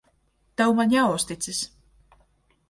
Tev man jāuzticas.